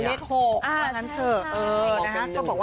เห็นอะไรกันรึเปล่าแต่แม่เขามองว่าเหมือนจะเป็นเลข๖